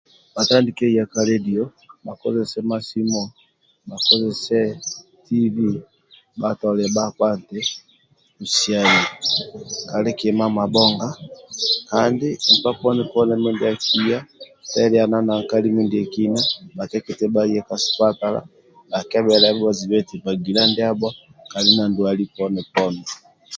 Bhatandike ya ka ledio bhakozese ma simu bhakozese tivi bhatolie bhakpa eti busiani kali kima mabhonga kandi nkpa poni poni mindia akitelana na nkali mindiekina bhatekete bhaye ka sipatala bhakebele bhazibe eti magila ndiabho kali na ndwali poni poni